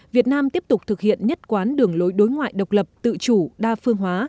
việt nam tiếp tục thực hiện nhất quán đường lối đối ngoại độc lập tự chủ đa phương hóa